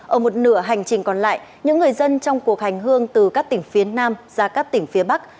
ở một nửa hành trình còn lại những người dân trong cuộc hành hương từ các tỉnh phía nam ra các tỉnh phía bắc